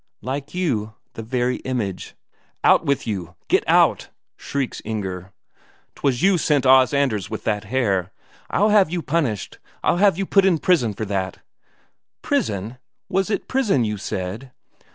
"Like you. The very image." "Out with you get out!" shrieks Inger. "'Twas you sent Os Anders with that hare. I'll have you punished; I'll have you put in prison for that." "Prison was it prison you said?"